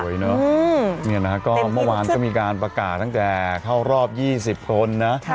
สวยเนอะเมื่อวานก็มีการประกาศตั้งแต่เข้ารอบยี่สิบคนนะ